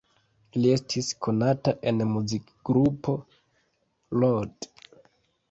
Li estis konata en muzikgrupo "Lord".